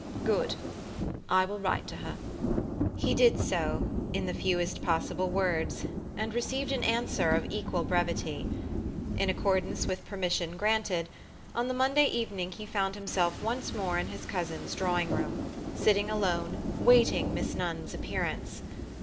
"Good. I will write to her." He did so, in the fewest possible words, and received an answer of equal brevity. In accordance with permission granted, on the Monday evening he found himself once more in his cousin's drawing room, sitting alone, waiting Miss Nunn's appearance.